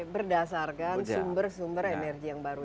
berdasarkan sumber sumber energi yang baru